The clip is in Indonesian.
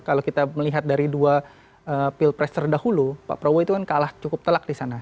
kalau kita melihat dari dua pilpres terdahulu pak prabowo itu kan kalah cukup telak di sana